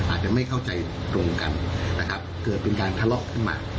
อาจจะไม่เข้าใจตรงกันนะครับเกิดเป็นการทะเลาะขึ้นมา